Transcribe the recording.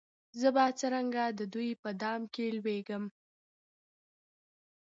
زه به څرنګه د دوی په دام کي لوېږم